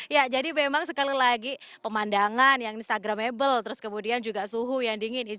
ya jadi memang sekali lagi pemandangan yang instagramable terus kemudian juga suhu yang dingin